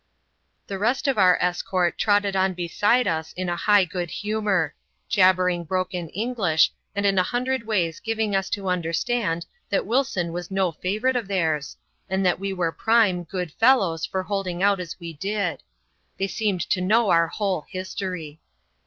The rest of our escort trotted on beside us in high good hu mour ; jabbering broken English, and in a hundred ways giving us to understand that Wilson was no favourite of theirs, and that we were prime, good fellows for holding out as we did. They seemed to know our whole history.